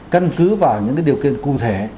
cân cứ vào những cái điều kiện cụ thể